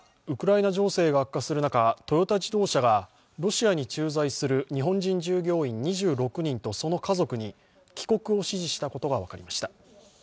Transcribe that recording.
ウクライナ情勢が悪化する中、トヨタ自動車がロシアに駐在する日本人従業員２６人とその家族に帰国を指示したことが分かりました。